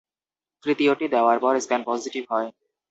তৃতীয়টি দেওয়ার পর স্ক্যান পজিটিভ হয়।